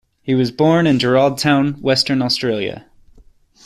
He was born in Geraldton, Western Australia.